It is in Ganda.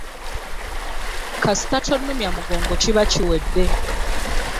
Kasita tonnumya mugongo kiba kiwedde.